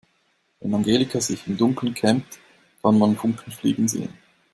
Wenn Angelika sich im Dunkeln kämmt, kann man Funken fliegen sehen.